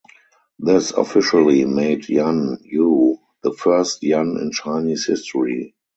This officially made Yan You the first Yan in Chinese history.